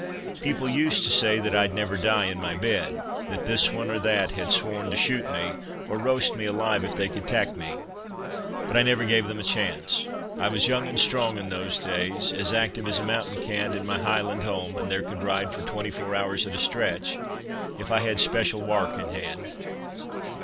People used to say that I'd never die in my bed. That this one or that had sworn to shoot me—or roast me alive if they could tak' me. But I never gave them a chance. I was young and strong in those days—as active as a mountain cat in my Hieland home, and could ride for twenty four hours at a stretch, if I had special wark in hand.